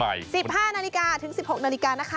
๑๕นาฬิกาถึง๑๖นาฬิกานะคะ